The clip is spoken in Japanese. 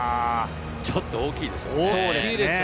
ちょっと大きいですよね。